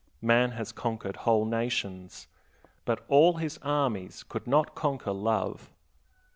Man has conquered whole nations, but all his armies could not conquer love.